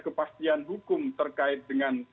kepastian hukum terkait dengan